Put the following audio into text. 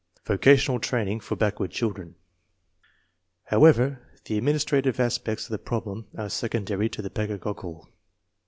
Vocational training for backward children. How ever, the administrative aspects of the problem are secondary to the pedagogical.